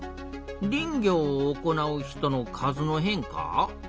「林業を行う人の数の変化」？